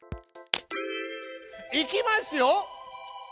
いきますよ！